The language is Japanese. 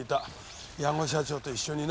矢後社長と一緒にな。